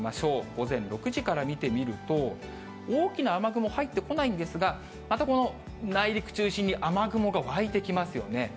午前６時から見てみると、大きな雨雲入ってこないんですが、またこの内陸中心に雨雲が湧いてきますよね。